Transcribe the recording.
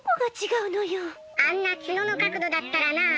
あんなツノの角度だったらなあ。